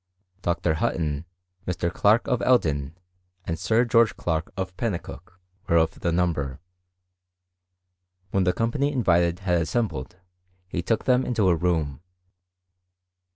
Dr. Hutton, Mr. Clarke of Elden, and Sir George Clarke of Pennicuik, were of the number. When the company invited had assembled, he took them into a room.